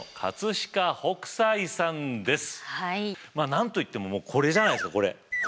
まあ何と言ってもこれじゃないですかこれ。